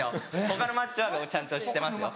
他のマッチョはちゃんとしてますよ。